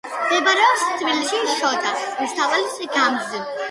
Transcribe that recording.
მდებარეობს თბილისში, შოთა რუსთაველის გამზ.